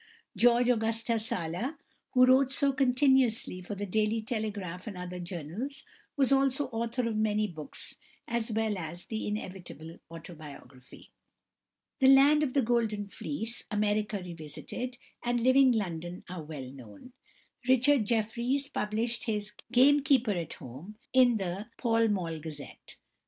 =George Augustus Sala (1828 1895)=, who wrote so continuously for the Daily Telegraph and other journals, was also author of many books as well as the inevitable autobiography. "The Land of the Golden Fleece," "America Revisited," and "Living London" are well known. =Richard Jefferies (1848 1887)= published his "Gamekeeper at Home" in the Pall Mall Gazette.